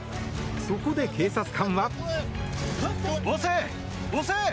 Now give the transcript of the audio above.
そこで警察官は。